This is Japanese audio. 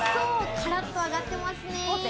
からっと揚がってますね。